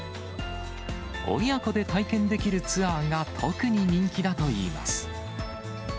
親子で体験できるツアーが、特に人気だといいます。